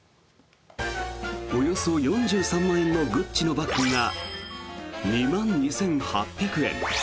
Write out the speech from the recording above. およそ４３万円のグッチのバッグが２万２８００円。